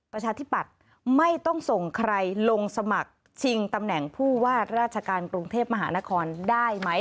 ประชาธิปัตย์ไม่ต้องส่งใครลงสมัครชิงตำแหน่งผู้ว่าราชการกรุงเทพมหานครได้ไหม